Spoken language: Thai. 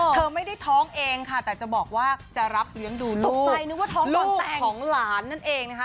เธอไม่ได้ท้องเองค่ะแต่จะบอกว่าจะรับเลี้ยงดูลูกลูกของหลานนั่นเองนะคะ